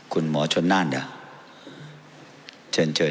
คุณหมอชนน่านเดี่ยวขอขอมูลให้มีด้วยครับ